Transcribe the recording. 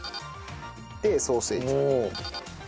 でソーセージ。